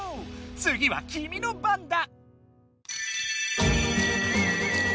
つぎはきみの番だ！